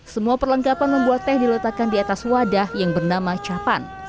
semua perlengkapan membuat teh diletakkan di atas wadah yang bernama capan